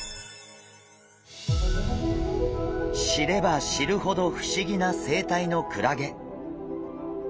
知れば知るほど不思議な生態のクラゲ。